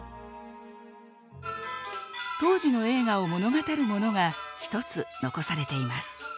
当時の栄華を物語るものが１つ残されています。